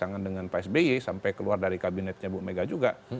jangan dengan pak sby sampai keluar dari kabinetnya bu mega juga